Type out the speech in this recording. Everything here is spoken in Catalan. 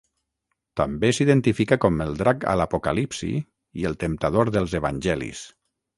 També s'identifica com el drac a l'Apocalipsi i el temptador dels Evangelis.